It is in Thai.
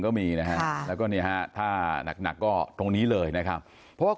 ก็มีนะฮะแล้วก็เนี่ยฮะถ้าหนักก็ตรงนี้เลยนะครับเพราะว่า